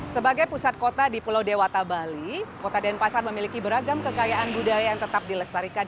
sebagai pusat kota di pulau dewata bali kota denpasar memiliki beragam kekayaan budaya yang tetap dilestarikan